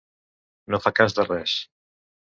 No fa cas de res.